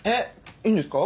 いいんですか？